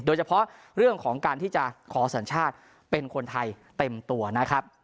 โดยเฉพาะเรื่องของการที่จะขอสัญชาติเป็นคนไทยเต็มตัวนะครับ